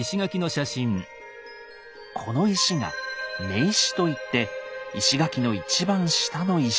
この石が「根石」といって石垣の一番下の石。